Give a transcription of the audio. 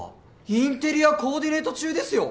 インテリアコーディネート中ですよ？